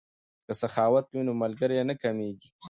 که سخاوت وي نو ملګری نه کمیږي.